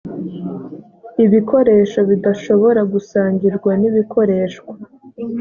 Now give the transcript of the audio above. ibikoresho bidashobora gusangirwa n ibikoreshwa